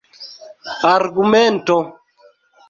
argumento